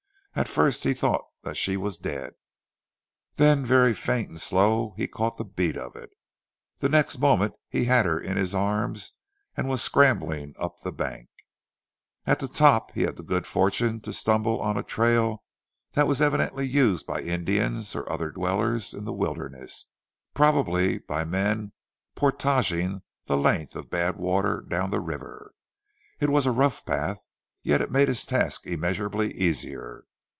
At first he thought that she was dead, then very faint and slow he caught the beat of it. The next moment he had her in his arms and was scrambling up the bank. At the top he had the good fortune to stumble on a trail that was evidently used by Indians or other dwellers in the wilderness, probably by men portaging the length of bad water down the river. It was a rough enough path, yet it made his task immeasurably easier.